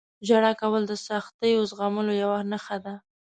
• ژړا کول د سختیو زغملو یوه نښه ده.